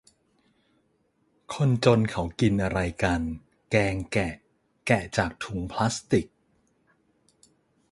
คนจนเขากินอะไรกัน แกงแกะ แกะจากถุงพลาสติก